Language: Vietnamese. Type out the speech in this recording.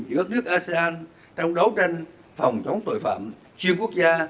giữ ước nước asean trong đấu tranh phòng chống tội phạm xuyên quốc gia